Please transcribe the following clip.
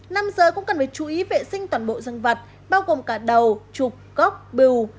nam giới cũng cần phải chú ý vệ sinh toàn bộ dương vật bao gồm cả đầu trục góc bìu